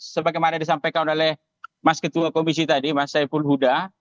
sebagaimana disampaikan oleh mas ketua komisi tadi mas saiful huda